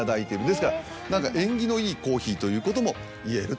ですから縁起のいいコーヒーということもいえる。